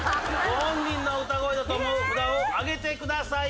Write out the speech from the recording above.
ご本人の歌声だと思う札をあげてください